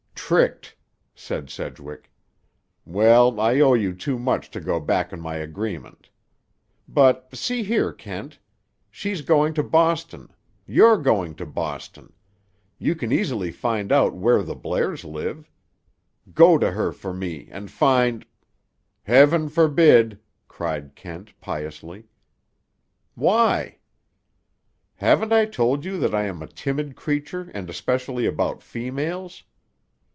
"Tricked!" said Sedgwick. "Well, I owe you too much to go back on my agreement. But—see here, Kent. She's going to Boston. You're going to Boston. You can easily find out where the Blairs live. Go to her for me and find—" "Heaven forbid!" cried Kent piously. "Why?" "Haven't I told you that I am a timid creature and especially about females?